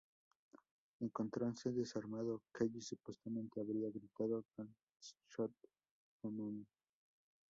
Encontrándose desarmado, Kelly supuestamente habría gritado "Don't shoot, G-Men!